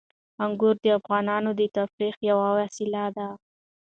انګور د افغانانو د تفریح یوه وسیله ده.